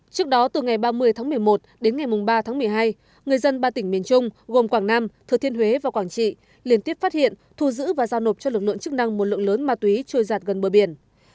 trước đó từ ngày ba mươi tháng một mươi một đến ngày ba tháng một mươi hai người dân ba tỉnh miền trung gồm quảng nam thừa thiên huế và quảng trị liên tiếp phát hiện thu giữ và giao nộp cho lực lượng chức năng một lượng lớn ma túy trôi giạt gần bờ biển